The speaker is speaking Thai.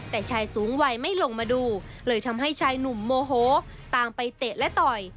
แต่ชายสูงวัยไม่ลงมาดูเลยทำให้ชายหนุ่มโมโหตามไปเตะและต่อย